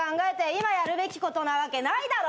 今やるべきことなわけないだろ！